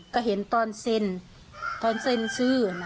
ก็เห็นตอนเซ็นตอนเซ็นชื่อ